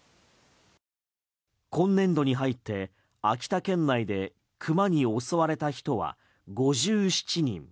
今年度に入って、秋田県内でクマに襲われた人は５７人。